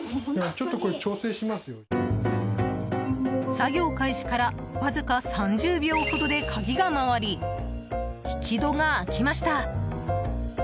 作業開始からわずか３０秒ほどで鍵が回り、引き戸が開きました。